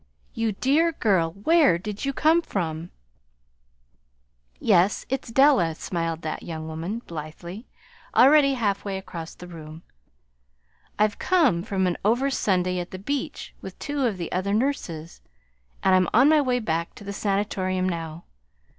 "You dear girl, where did you come from?" "Yes, it's Della," smiled that young woman, blithely, already halfway across the room. "I've come from an over Sunday at the beach with two of the other nurses, and I'm on my way back to the Sanatorium now.